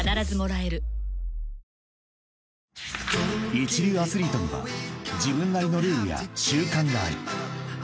［一流アスリートには自分なりのルールや習慣がある］